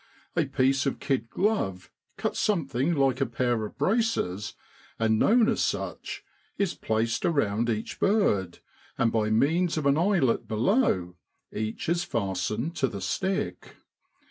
A piece of kid glove, cut something like a pair of braces, and known as such, is placed around each bird, and by means of an eyelet below, each is fastened to the stick.